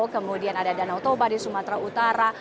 kemudian ada danau toba di sumatera utara